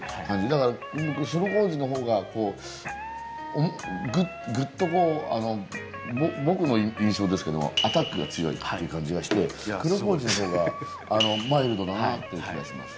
だから白麹の方がぐっとこう僕の印象ですけどもアタックが強いっていう感じがして黒麹の方がマイルドだなっていう気がします。